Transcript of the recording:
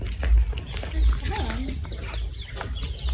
Ad ffɣen?